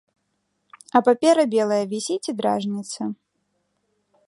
А папера белая вісіць і дражніцца.